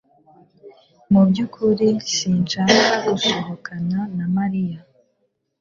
Mu byukuri sinshaka gusohokana na Mariya